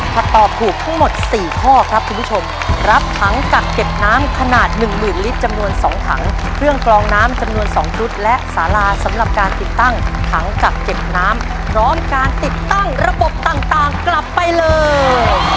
ถ้าตอบถูกทั้งหมด๔ข้อครับคุณผู้ชมรับถังกักเก็บน้ำขนาดหนึ่งหมื่นลิตรจำนวน๒ถังเครื่องกลองน้ำจำนวน๒ชุดและสาราสำหรับการติดตั้งถังกักเก็บน้ำพร้อมการติดตั้งระบบต่างกลับไปเลย